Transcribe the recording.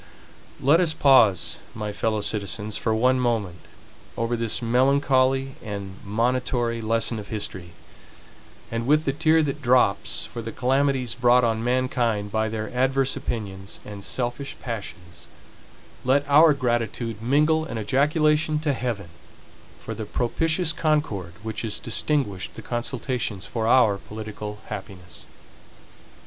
Let us pause, my fellow citizens, for one moment, over this melancholy and monitory lesson of history; and with the tear that drops for the calamities brought on mankind by their adverse opinions and selfish passions, let our gratitude mingle an ejaculation to Heaven, for the propitious concord which has distinguished the consultations for our political happiness.